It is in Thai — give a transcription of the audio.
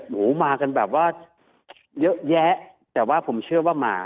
หมูมากันแบบว่าเยอะแยะแต่ว่าผมเชื่อว่าหมา